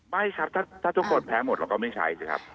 ไม่ครับถ้าทุกคนแพ้หมดเราก็ไม่ใช้สิครับ